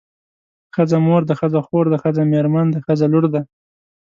ښځه مور ده ښځه خور ده ښځه مېرمن ده ښځه لور ده.